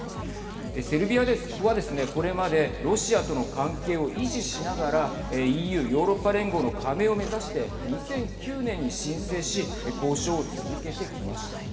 セルビアはですね、これまでロシアとの関係を維持しながらＥＵ＝ヨーロッパ連合の加盟を目指して２００９年に申請し交渉を続けてきました。